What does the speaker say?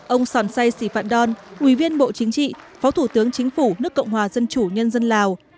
ông sòn say sì phạn đòn quy viên bộ chính trị phó thủ tướng chính phủ nước cộng hòa dân chủ nhân dân lào